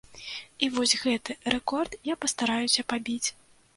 І вось гэты рэкорд я пастараюся пабіць.